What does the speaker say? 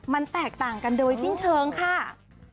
มันแตกต่างกันโดยสิ้นเชิงค่ะ